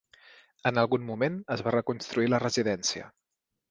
En algun moment es va reconstruir la residència.